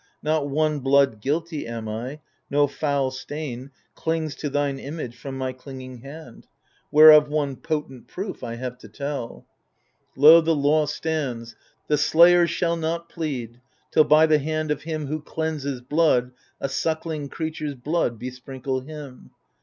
Not one blood guilty am I ; no foul stain Clings to thine image from my clinging hand ; Whereof one potent proof I have to tell. THE FURIES 157 Lo, the law stands — The slayer shall not plead^ Till by the hand of him who cleanses blood A suckling creatures blood besprinkle him.